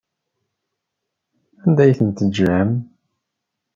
Anda ay ten-tejjam?